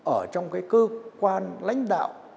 ở trong cái cơ quan lãnh đạo